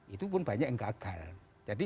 itu pun banyak yang gagal jadi